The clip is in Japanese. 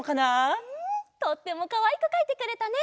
とってもかわいくかいてくれたね。